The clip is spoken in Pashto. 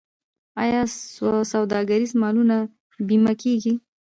آیا سوداګریز مالونه بیمه کیږي؟